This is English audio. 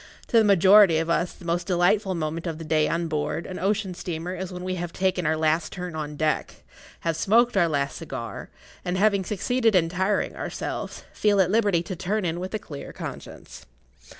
To the majority of us the most[Pg 18] delightful moment of the day on board an ocean steamer is when we have taken our last turn on deck, have smoked our last cigar, and having succeeded in tiring ourselves, feel at liberty to turn in with a clear conscience.